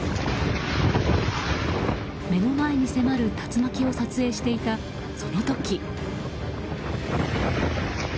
目の前に迫る竜巻を撮影していたその時。